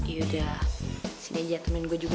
yaudah sini aja temen gue juga ya